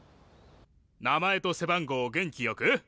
名前と背番号を元気よく！